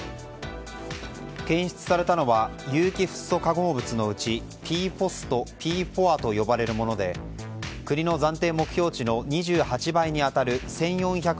検出されたのは有機フッ素化合物のうちＰＦＯＳとＰＦＯＡと呼ばれるもので国の暫定目標値の２８倍に当たる１４００